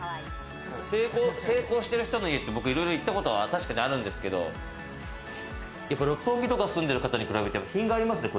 成功してる人の家って、いろいろ行ったことあるんですけど、六本木とかに住んでいる方に比べて品がありますね。